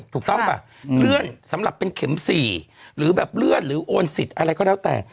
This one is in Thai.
ถูกต้องป่ะเลื่อนสำหรับเป็นเข็ม๔หรือแบบเลื่อนหรือโอนสิทธิ์อะไรก็แล้วแต่